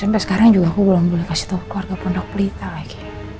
sampai sekarang juga aku belum boleh kasih tuh keluarga pondok pelita lagi